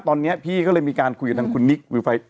ตอนเนี้ยพี่ก็เลยมีการคุยกับคุณนิค